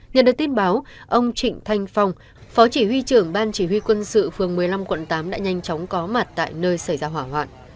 nhận được tin báo ông trịnh thanh phong phó chỉ huy trưởng ban chỉ huy quân sự phường một mươi năm quận tám đã nhanh chóng có mặt tại nơi xảy ra hỏa hoạn